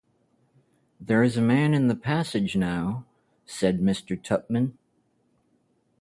‘There is a man in the passage now,’ said Mr. Tupman.